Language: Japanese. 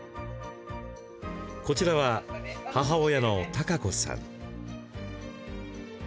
こちらは母親の孝子さん。